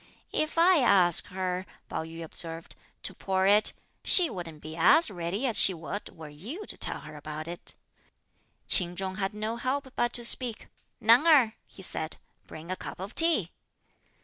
"If I ask her," Pao yü observed, "to pour it, she wouldn't be as ready as she would were you to tell her about it." Ch'in Chung had no help but to speak. "Neng Erh!" he said, "bring a cup of tea."